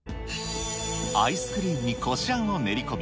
アイスクリームにこしあんを練り込み、